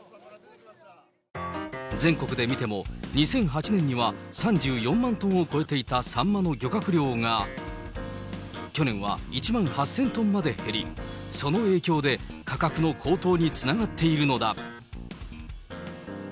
全国で見ても、２００８年には３４万トンを超えていたサンマの漁獲量が、去年は１万８０００トンまで減り、その影響で価格の高騰につながっているのだ。